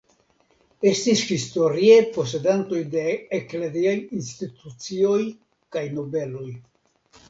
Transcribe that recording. Estis historie posedantoj de ekleziaj institucioj kaj nobeloj.